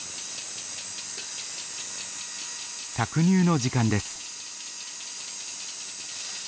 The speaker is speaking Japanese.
搾乳の時間です。